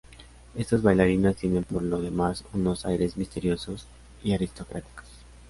Estas bailarinas tienen por lo demás unos aires misteriosos y aristocráticos.